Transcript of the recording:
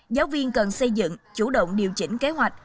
giáo viên cần xây dựng chủ động điều chỉnh kế hoạch